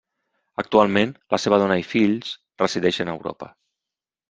Actualment, la seva dona i fills resideixen a Europa.